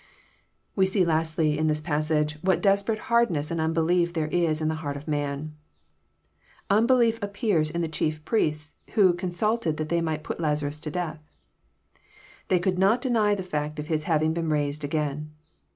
We see, lastly, in this passage, what diBsperate hardness and unbelief there is in the heart of man. Unbelief appears in the chief priests, who " consulted that they might put Lazarus to death." They could not deny the fact of his having been raised again.